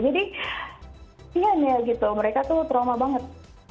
jadi iya ya gitu mereka itu trauma banget